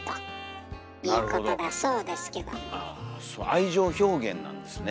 愛情表現なんですね。